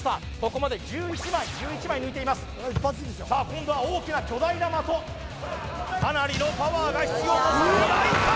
ここまで１１枚１１枚抜いていますさあ今度は大きな巨大な的かなりのパワーが必要とされるがいった！